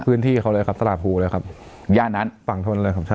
พื้นที่เขาเลยครับตลาดภูเลยครับย่านนั้นฝั่งทนเลยครับใช่